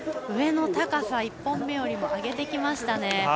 上の高さ１本目よりも上げてきましたね。